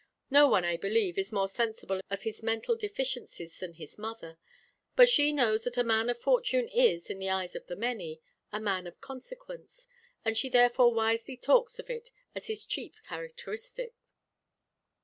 No one, I believe, is more sensible of his mental deficiencies than his mother; but she knows that a man of fortune is, in the eyes of the many, a man of consequence; and she therefore wisely talks of it as his chief characteristic.